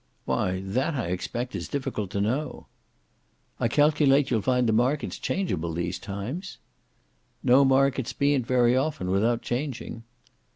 "Why that, I expect, is difficult to know." "I calculate you'll find the markets changeable these times?" "No markets ben't very often without changing."